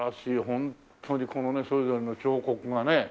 ホントにこのねそれぞれの彫刻がね。